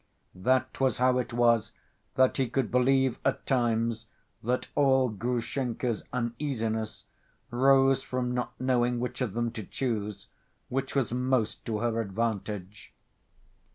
That was how it was that he could believe at times that all Grushenka's uneasiness rose from not knowing which of them to choose, which was most to her advantage.